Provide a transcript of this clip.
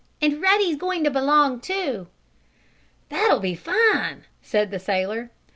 "And Ruddy's going to belong, too!" "That'll be fine!" said the sailor.